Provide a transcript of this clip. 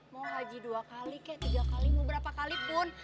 mau haji dua kali kek tiga kali mau berapa kalipun